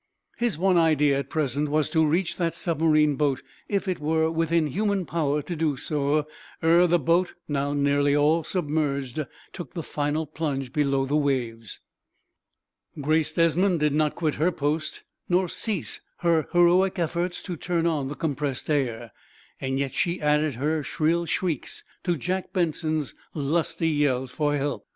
His one idea, at present, was to reach that submarine boat if it were within human power to do so ere the boat, now nearly all submerged, took the final plunge below the waves. Grace Desmond did not quit her post, nor cease her heroic efforts to turn on the compressed air. Yet she added her shrill shrieks to Jack Benson's lusty yells for help.